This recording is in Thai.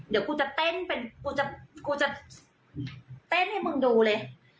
เดี๋ยวกูจะเต้นให้มึงดูเลย